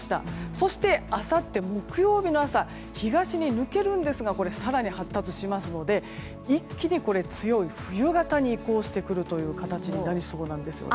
そしてあさって木曜日の朝東に抜けるんですが更に発達しますので一気に強い冬型に移行してくる形になりそうなんですね。